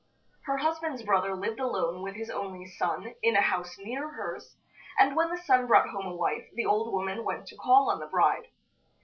Her husband's brother lived alone with his only son, in a house near hers, and when the son brought home a wife the old woman went to call on the bride.